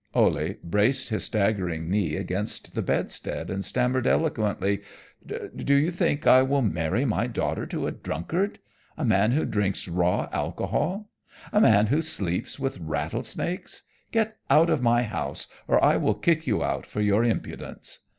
Ole braced his staggering knees against the bedstead, and stammered eloquently: "Do you think I will marry my daughter to a drunkard? a man who drinks raw alcohol? a man who sleeps with rattle snakes? Get out of my house or I will kick you out for your impudence."